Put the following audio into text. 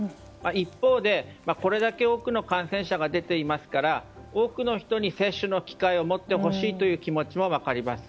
一方で、これだけ多くの感染者が出ていますから多くの人に接種の機会を持ってほしいという気持ちも分かります。